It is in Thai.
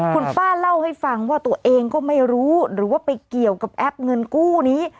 คุณป้าเล่าให้ฟังว่าตัวเองก็ไม่รู้หรือว่าไปเกี่ยวกับแอปเงินกู้นี้